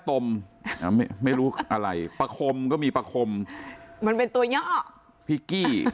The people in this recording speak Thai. ตมอ่าไม่ไม่รู้อะไรปคมก็มีปคมมันเป็นตัวเงาะพี่กี้